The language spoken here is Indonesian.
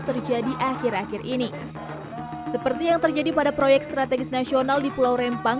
terjadi akhir akhir ini seperti yang terjadi pada proyek strategis nasional di pulau rempang